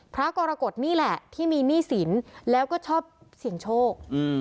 พระกรกฎนี่แหละที่มีหนี้สินแล้วก็ชอบเสี่ยงโชค